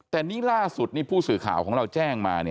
แต่นี่ล่าสุดผู้สื่อข่าวของเราแจ้งมา